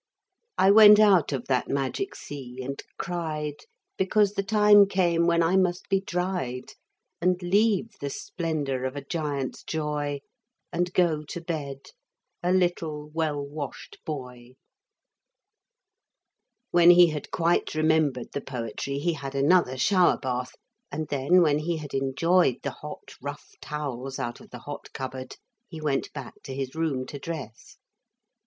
I went out of that magic sea and cried Because the time came when I must be dried And leave the splendour of a giant's joy And go to bed a little well washed boy. FOOTNOTES: Never mind grammar. This is correct grammar, but never mind. When he had quite remembered the poetry he had another shower bath, and then when he had enjoyed the hot rough towels out of the hot cupboard he went back to his room to dress.